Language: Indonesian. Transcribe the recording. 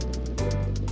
ih jangan menutup